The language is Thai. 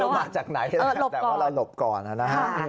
มีฤมภาษาจากไหนเรารบก่อน